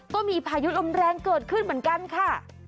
ก็มีพายุลมแรงเกิดขึ้นเหมือนกันค่ะ